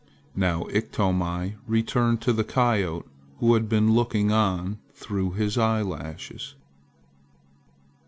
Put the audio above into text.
Now Iktomi returned to the coyote who had been looking on through his eyelashes.